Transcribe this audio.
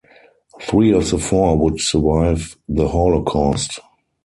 Three of the four would survive the Holocaust.